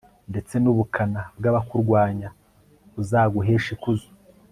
ndetse n'ubukana bw'abakurwanya buzaguheshe ikuzo